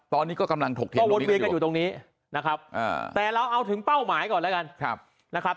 ตอนนี้ก็กำลังถกเถียงตรงนี้กันอยู่แต่เราเอาถึงเป้าหมายก่อนแล้วกัน